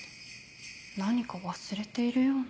何か忘れているような。